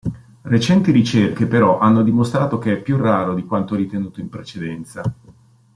Recenti ricerche, però, hanno dimostrato che è più raro di quanto ritenuto in precedenza.